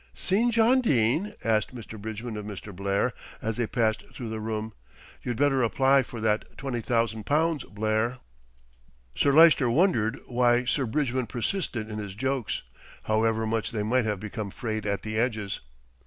"Seen John Dene?" asked Sir Bridgman of Mr. Blair, as they passed through the room. "You'd better apply for that twenty thousand pounds, Blair." Sir Lyster wondered why Sir Bridgman persisted in his jokes, however much they might have become frayed at the edges.